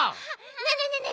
ねえねえねえねえ